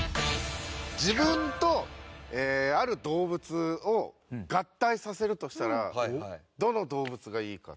自分とある動物を合体させるとしたらどの動物がいいか？